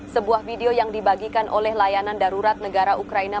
sebuah video yang dibagikan oleh layanan darurat negara ukraina